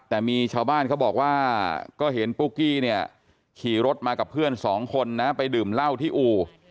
แต่มีชาวบ้านเขาบอกว่าก็เห็นปุ๊กกี้เนี่ยขี่รถมากับเพื่อนสองคนนะไปดื่มเหล้าที่อู่